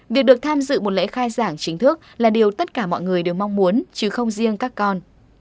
việc được tham dự một lễ khai giảng chính thức là điều tất cả mọi người đều mong muốn chứ không riêng các con